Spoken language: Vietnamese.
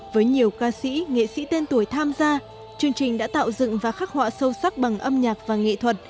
với nhiều ca sĩ nghệ sĩ tên tuổi tham gia chương trình đã tạo dựng và khắc họa sâu sắc bằng âm nhạc và nghệ thuật